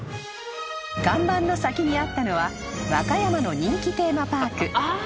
［看板の先にあったのは和歌山の人気テーマパーク］